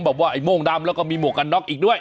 ว่าไอ้โม่งดำแล้วก็มีหมวกกันน็อกอีกด้วย